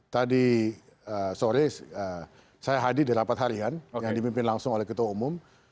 tadi sore saya hadir di rapat harian yang dipimpin langsung oleh ketua umum